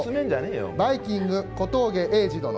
バイきんぐ・小峠英二殿。